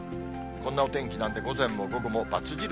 こんなお天気なんで、午前も午後も×印。